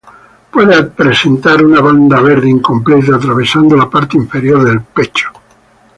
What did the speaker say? Puede presentar una banda verde incompleta atravesando la parte inferior del pecho.